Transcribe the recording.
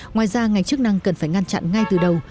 ngoài ra ngành chức năng cần phải ngăn chặn ngay từ đầu